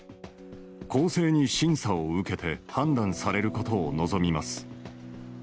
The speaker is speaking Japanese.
公正に審査を受けて判断されることを望みます。